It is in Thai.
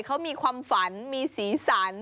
เขามีความฝันมีสีสัน